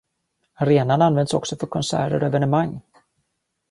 Arenan används också för konserter och evenemang.